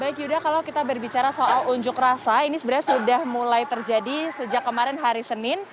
baik yuda kalau kita berbicara soal unjuk rasa ini sebenarnya sudah mulai terjadi sejak kemarin hari senin